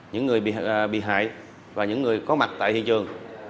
những người bị hại và những người có mặt tại thị trường